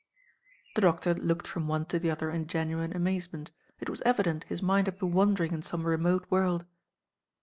The Doctor looked from one to the other in genuine amazement. It was evident his mind had been wandering in some remote world.